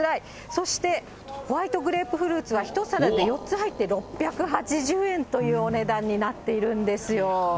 そしてホワイトグレープフルーツは、１皿で４つ入って６８０円というお値段になっているんですよ。